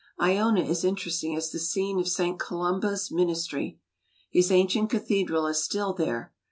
lona is interesting as the scene of St. Columba's ministry. His ancient cathedral is still there.